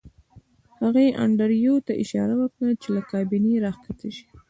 هغې انډریو ته اشاره وکړه چې له کابینې راښکته شي